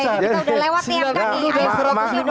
oke jadi kita sudah lewat mk